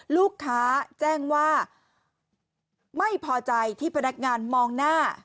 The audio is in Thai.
ลูกค้าแจ้งว่าไม่พอใจที่พนักงานมองหน้า